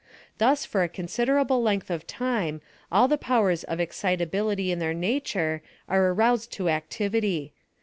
Thus, for a considerable length of time, all the powers of excitability in their nature are aroused to activity.